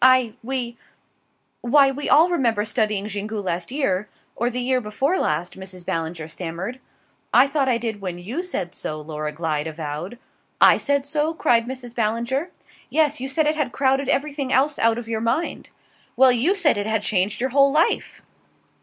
I we why we all remember studying Xingu last year or the year before last," Mrs. Ballinger stammered. "I thought I did when you said so," Laura Glyde avowed. "I said so?" cried Mrs. Ballinger. "Yes. You said it had crowded everything else out of your mind." "Well you said it had changed your whole life!"